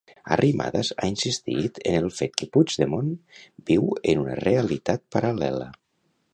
Arrimadas ha insistit en el fet que Puigdemont viu en una realitat paral·lela.